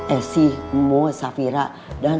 esihmu safira dan